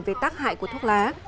về tác hại của thuốc lá